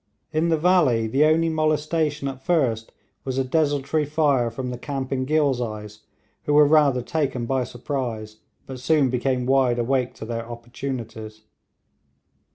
In the valley the only molestation at first was a desultory fire from the camping Ghilzais, who were rather taken by surprise, but soon became wide awake to their opportunities.